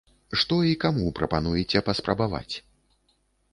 Што і каму прапануеце паспрабаваць?